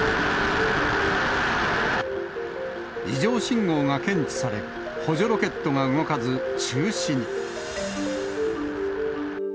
異常信号が検知され、補助ロケットが動かず中止に。